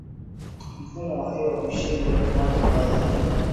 Mfumo wa hewa kushindwa kufanya kazi